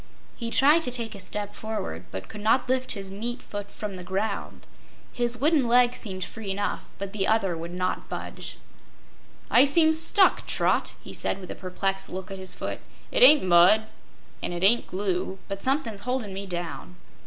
He tried to take a step forward, but could not lift his meat foot from the ground. His wooden leg seemed free enough, but the other would not budge. "I seem stuck, Trot," he said, with a perplexed look at his foot. "It ain't mud, an' it ain't glue, but somethin's holdin' me down."